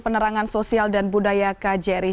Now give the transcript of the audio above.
penerangan sosial dan budayaka jerry